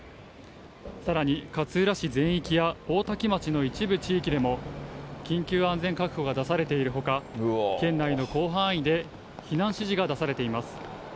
さらに勝浦市全域や大多喜町の一部地域でも、緊急安全確保が出されているほか、県内の広範囲で避難指示が出されています。